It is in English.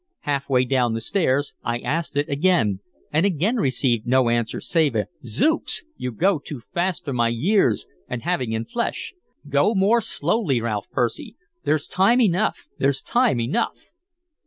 Halfway down the stairs I asked it again, and again received no answer save a "Zooks! you go too fast for my years and having in flesh! Go more slowly, Ralph Percy; there's time enough, there's time enough!"